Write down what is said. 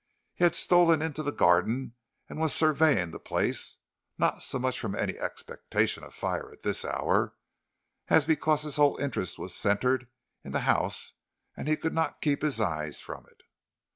He had stolen into the garden and was surveying the place, not so much from any expectation of fire at this hour, as because his whole interest was centred in the house and he could not keep his eyes from it.